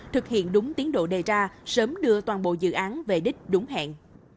thực hiện đúng tiến độ đề ra sớm đưa toàn bộ dự án về đích đúng hẹn